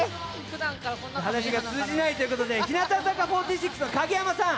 話が通じないということで日向坂４６の影山さん。